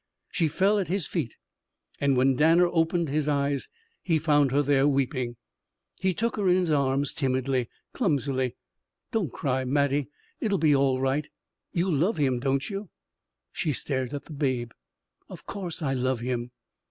She fell at his feet, and when Danner opened his eyes, he found her there, weeping. He took her in his arms, timidly, clumsily. "Don't cry, Mattie. It'll be all right. You love him, don't you?" She stared at the babe. "Of course I love him.